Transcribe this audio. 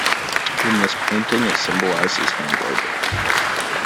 In this painting it symbolizes hand labour.